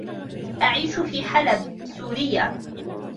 أعيش في حلب، سوريا.